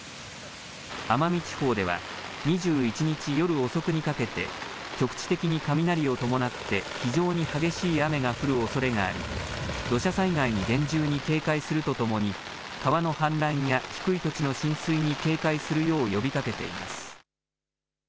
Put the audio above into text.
奄美地方では２１日夜遅くにかけて局地的に雷を伴って非常に激しい雨が降るおそれがあり、土砂災害に厳重に警戒するとともに川の氾濫や低い土地の浸水に警戒するよう呼びかけています。